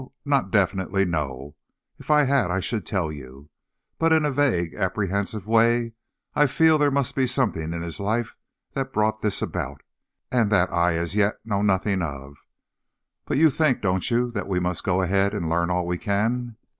"Not definitely, no. If I had I should tell you. But in a vague, apprehensive way, I feel there must be something in his life that brought this about, and that I as yet know nothing of. But you think, don't you, that we must go ahead and learn all we can?"